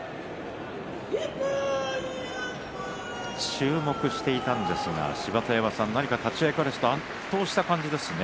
注目していたんですが芝田山さん、何か立ち合いから圧倒した感じですね。